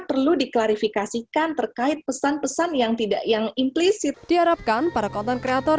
perlu diklarifikasikan terkait pesan pesan yang tidak yang implisit diharapkan para konten kreator